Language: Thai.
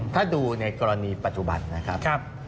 ถ้าดูในกรณีปัจจุบันนะครับ